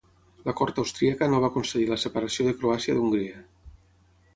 La cort austríaca no va concedir la separació de Croàcia d'Hongria.